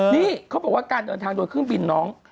นี่เขาบอกว่าการเดินทางโดยเครื่องบินน้อง